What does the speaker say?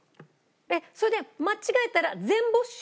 えっそれで間違えたら全没収？